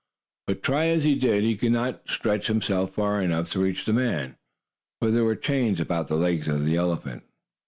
But, try as he did, he could not stretch himself far enough to reach the man, for there were chains about the legs of the elephant.